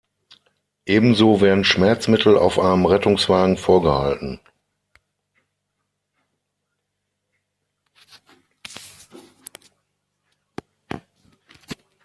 Ebenso werden Schmerzmittel auf einem Rettungswagen vorgehalten.